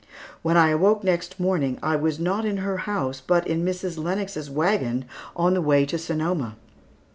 When I awoke next morning, I was not in her house, but in Mrs. Lennox's wagon, on the way to Sonoma.